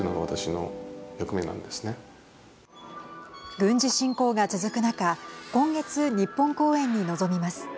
軍事侵攻が続く中今月日本公演に臨みます。